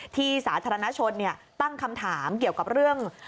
สาธารณชนตั้งคำถามเกี่ยวกับเรื่อง